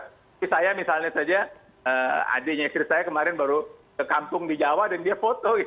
tapi saya misalnya saja adiknya istri saya kemarin baru ke kampung di jawa dan dia foto